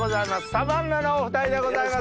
サバンナのお２人でございます。